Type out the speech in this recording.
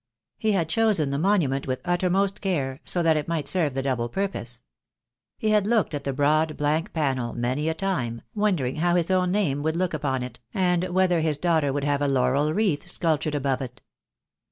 He had chosen the monument with uttermost care, so that it might serve the double purpose. He had looked at the broad blank panel many a time, wondering how his own name would look upon it, and whether his daughter would have a laurel wreath sculptured above it.